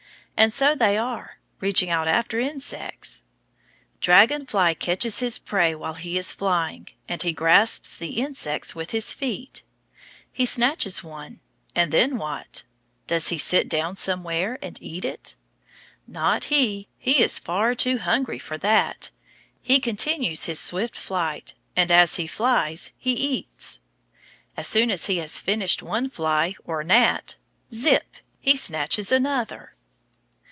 And so they are reaching out after insects. Dragon fly catches his prey while he is flying, and he grasps the insects with his feet. He snatches one, and then what? Does he sit down somewhere and eat it? Not he, he is far too hungry for that; he continues his swift flight, and as he flies he eats. As soon as he has finished one fly or gnat, zip! he snatches another.